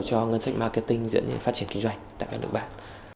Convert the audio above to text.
cho ngân sách marketing dẫn đến phát triển kinh doanh tại các nước ngoài